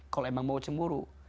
kalau emang mau cemburu